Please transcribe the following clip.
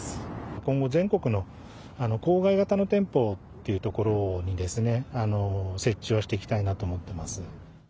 今後、全国の郊外型の店舗っていうところに、設置をしていきたいなと思っています。